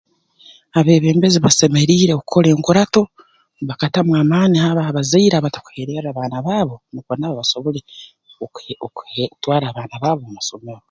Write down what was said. Abeebembezi basemeriire kukora enkurato bakatamu amaani abo abazaire abatakuhererra baana baabo nukwo nabo basobole okuhe okuhe twara abaana baabo omu masomero